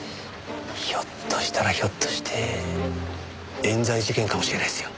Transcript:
ひょっとしたらひょっとして冤罪事件かもしれないっすよ。